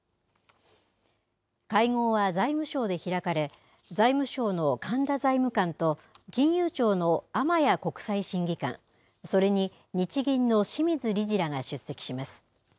会合は財務省で開かれ、財務省の神田財務官と、金融庁の天谷国際審議官、それに日銀の清水理事らが出席します。